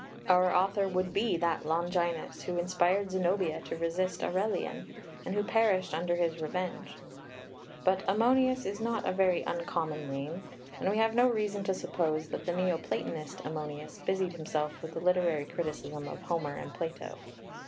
Our author would be that Longinus who inspired Zenobia to resist Aurelian, and who perished under his revenge. But Ammonius is not a very uncommon name, and we have no reason to suppose that the Neoplatonist Ammonius busied himself with the literary criticism of Homer and Plato.